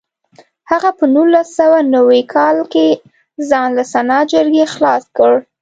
هغه په نولس سوه نوي کال کې ځان له سنا جرګې خلاص کړ.